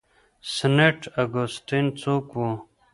سینټ اګوستین څوک و؟